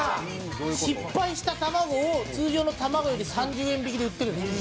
失敗した卵を通常の卵より３０円引きで売ってるんですよ」